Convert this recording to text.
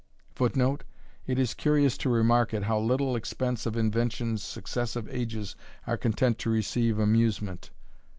[Footnote: It is curious to remark at how little expense of invention successive ages are content to receive amusement.